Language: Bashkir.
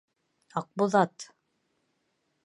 Аҡбуҙат!